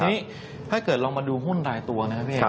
ทีนี้ถ้าเกิดเรามาดูหุ้นรายตัวนะครับพี่